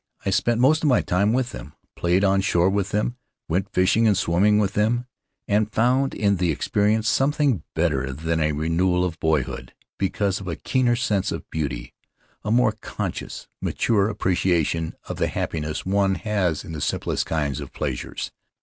I spent most of my time with them; played on shore with them; went fishing and swimming with them; and found in the experience something better than a renewal of boyhood because of a keener sense of beauty, a more conscious, mature appreciation of the happiness one has in the simplest kinds of pleasures.